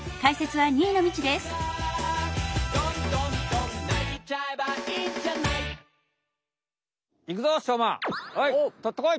はいとってこい！